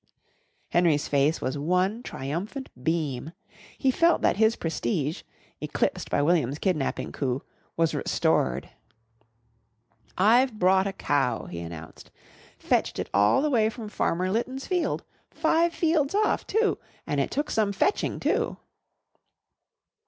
Henry's face was one triumphant beam. He felt that his prestige, eclipsed by William's kidnapping coup, was restored. "I've brought a cow," he announced, "fetched it all the way from Farmer Litton's field five fields off, too, an' it took some fetching, too."